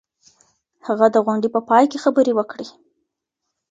هغه د غونډې په پای کي خبري وکړې.